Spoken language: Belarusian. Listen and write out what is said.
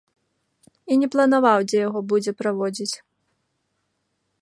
І не планаваў, дзе яго будзе праводзіць.